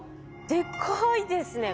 でかいですね。